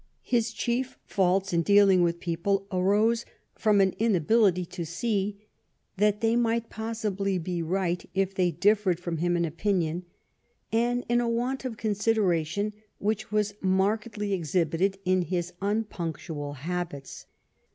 His chief faults in dealing with people arose from an inability to see that they might possibly be right if they differed from him in opinion ; and in a want of consideration, which was markedly exhibited in his unpunctual habits.